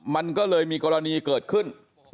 มันก็เลยมีกรณีเกิดขึ้น